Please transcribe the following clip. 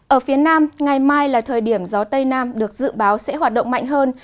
ở phía nam ngày mai là thời điểm gió tây nam được dự báo sẽ hoạt động mạnh hơn